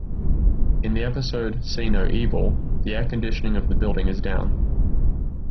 In the episode "See No Evil", the air conditioning of the building is down.